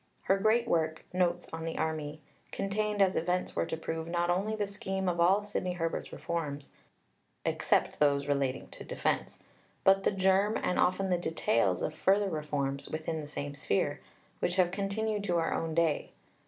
Her great work, Notes on the Army, contained, as events were to prove, not only the scheme of all Sidney Herbert's reforms (except those relating to defence), but the germ, and often the details, of further reforms (within the same sphere) which have continued to our own day.